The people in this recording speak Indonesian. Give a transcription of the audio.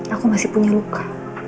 aku masih punya luka